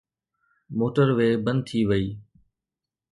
Motor وي بند ٿي وئي.